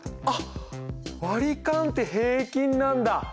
あっ割り勘って平均なんだ。